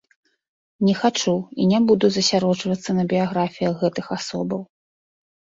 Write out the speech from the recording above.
Не хачу і не буду засяроджвацца на біяграфіях гэтых асобаў.